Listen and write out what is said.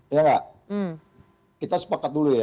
iya gak kita sepakat dulu ya